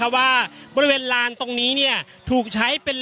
อย่างที่บอกไปว่าเรายังยึดในเรื่องของข้อ